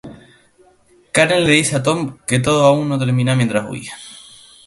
Karen le dice a Tom que todo aún no termina mientras huye.